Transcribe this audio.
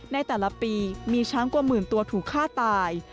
ในแต่ละปีมีช้างกว่าหมื่นตัวถูกฆ่าตาย